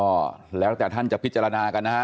คือหรือเหมือนก็คืออ๋อท่านจะพิจารณากันอ่ะ